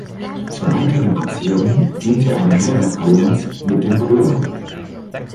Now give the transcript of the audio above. Zur weiteren Absicherung diente eine Heirats-Allianz mit den Chola.